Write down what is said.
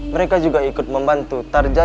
mereka juga ikut membantu